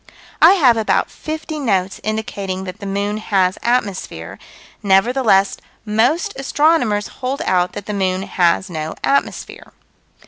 I have about fifty notes indicating that the moon has atmosphere: nevertheless most astronomers hold out that the moon has no atmosphere.